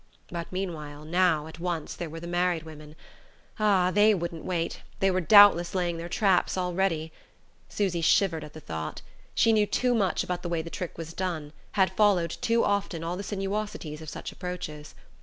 But meanwhile, now, at once, there were the married women. Ah, they wouldn't wait, they were doubtless laying their traps already! Susy shivered at the thought. She knew too much about the way the trick was done, had followed, too often, all the sinuosities of such approaches.